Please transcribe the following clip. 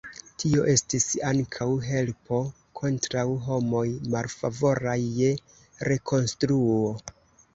Tio estis ankaŭ helpo kontraŭ homoj malfavoraj je rekonstruo.